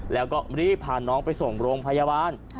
แล้วก็รีบพาน้องไปส่งโรงพยาบาล